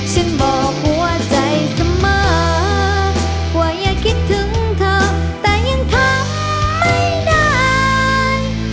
ฉันบอกหัวใจเสมอว่าอย่าคิดถึงเธอแต่ยังทำไม่ได้